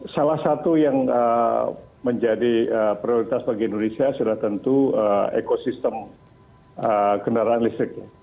salah satu yang menjadi prioritas bagi indonesia sudah tentu ekosistem kendaraan listrik